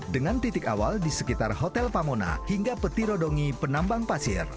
dengan titik awal di sekitar hotel pamona hingga petiro dongi penambang pasir